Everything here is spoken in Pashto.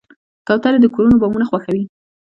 کوترې د کورونو بامونه خوښوي.